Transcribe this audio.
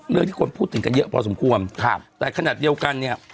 เรื่องที่คนพูดถึงกันเยอะพอสมควรครับแต่ขนาดเดียวกันเนี่ย